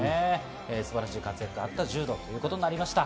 素晴らしい活躍があった柔道ということでした。